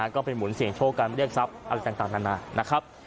ก็ไปหมุนเสี่ยงโชคการเรียกทรัพย์อะไรต่างนานานะครับ